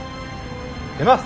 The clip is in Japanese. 出ます！